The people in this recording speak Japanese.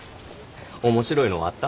面白いのはあった？